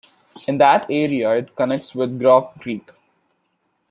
In that area, it connects with Groff Creek.